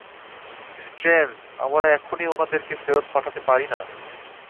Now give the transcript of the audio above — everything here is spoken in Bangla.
স্ট্রেঞ্জ, আমরা এখনই ওনাদেরকে ফেরত পাঠাতে পারি না।